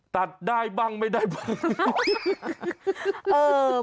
ตัดได้บ้างไม่ได้บ้าง